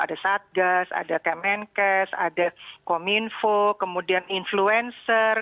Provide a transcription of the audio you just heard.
ada satgas ada kemenkes ada kominfo kemudian influencer